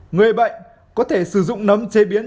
người bệnh có thể sử dụng nấm chế biến